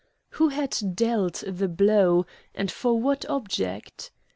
Who had dealt the blow, and for what object?